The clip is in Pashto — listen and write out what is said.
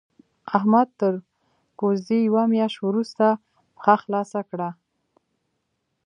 احمد تر کوزدې يوه مياشت روسته پښه خلاصه کړه.